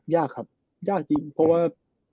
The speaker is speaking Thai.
ยากครับยากจริงเพราะว่า